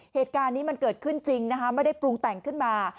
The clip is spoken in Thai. เหตุการณ์นี้มันเกิดขึ้นจริงนะคะไม่ได้ปรุงแต่งขึ้นมา